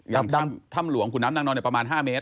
อย่างถ้ำหลวงคุณน้ำนั่งนอนประมาณ๕เมตร